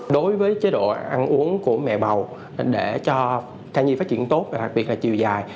đối với chế độ ăn uống của mẹ bầu để cho thai nhi phát triển tốt và đặc biệt là chiều dài